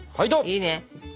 いいね。